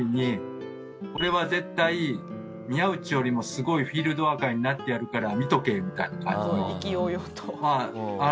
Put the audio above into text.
「俺は絶対宮内よりもすごいフィールドワーカーになってやるから見とけ！」みたいな感じの。